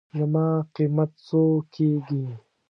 زما قېمت څو کېږي.